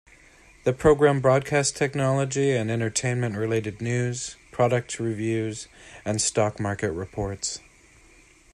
The program broadcast technology- and entertainment-related news, product reviews, and stock market reports.